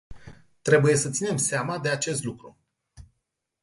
Trebuie să ținem seama de acest lucru.